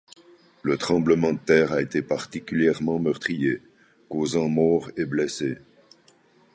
Le tremblement de terre a été particulièrement meurtrier, causant morts et blessés.